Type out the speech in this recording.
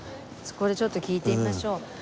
そこでちょっと聞いてみましょう。